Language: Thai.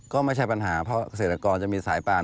ก็ไม่ใช่ปัญหาเพราะเกษตรกรจะมีสายปาน